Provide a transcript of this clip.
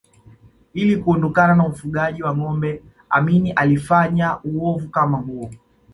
Ili kuondokana na ufugaji wa ngombe Amin alifanya uovu kama huo